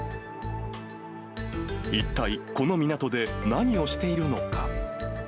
一体この港で何をしているのか。